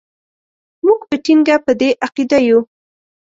موږ په ټینګه په دې عقیده یو.